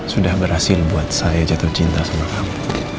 sudah berhasil buat saya jatuh cinta sama kamu